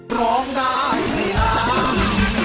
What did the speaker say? ร้องได้ให้ร้อง